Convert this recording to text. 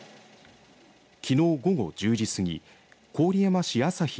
きのう、午後１０時過ぎ郡山市朝日２